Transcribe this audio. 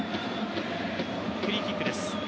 フリーキックです。